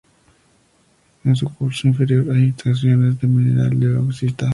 En su curso inferior hay extracciones de mineral de bauxita.